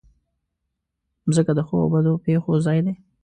مځکه د ښو او بدو پېښو ځای ده.